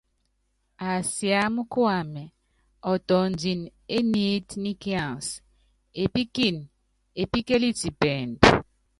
Asiámá kuamɛ ɔtɔndini é niitníkiansɛ, epíkini epíkeliti pɛɛndu.